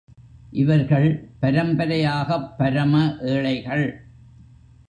இவர்கள் பரம்பரையாகப் பரம ஏழைகள்.